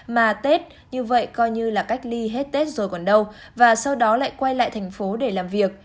mà tết như vậy coi như là cách ly hết tết rồi còn đâu và sau đó lại quay lại thành phố để làm việc